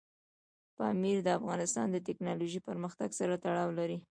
پامیر د افغانستان د تکنالوژۍ پرمختګ سره تړاو لري.